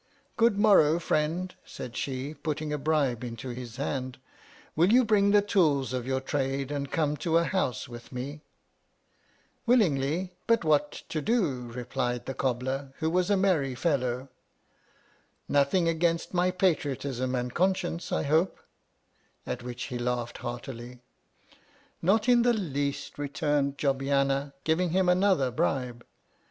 Good morrow, friend, said she, putting a bribe into his hand, will you bring the tools of your trade and come to a House with me ? Willingly, but what to do 1 replied the cobbler, who was a merry fellow. Nothing against my patriotism and conscience, I hope ] (at which he laughed heartily). Not in the least, returned Jobbiana, giving him another bribe.